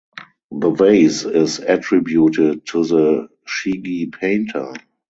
The vase is attributed to the Chigi Painter.